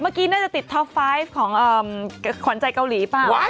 เมื่อกี้น่าจะติดท็อปไฟล์ของขวัญใจเกาหลีเปล่า